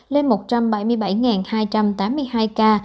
lên một trăm bảy mươi bảy hai trăm tám mươi hai ca